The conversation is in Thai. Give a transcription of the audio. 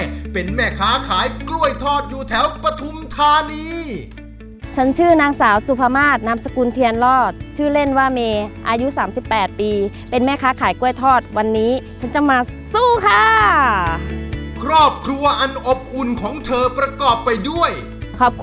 ของไม้เป็นแม่ค้าขายกล้วยทอดอยู่แถวพระดมทานีฉันชื่อนางสาวซุภมาศน้ำสกุลเทียนรอทชื่อเล่นว่ามีอายุ๓๘ปีจะจะมาสู้ค่ะครอบครัวนองค์อุ้นของเธอบแบบไปด้วยครอบครัว